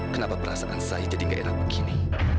kenapa perasaan saya jadi gak enak begini